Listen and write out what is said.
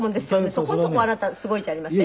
そこのとこあなたすごいじゃありません？